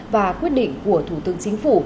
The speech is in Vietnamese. và quyết định của thủ tướng chính phủ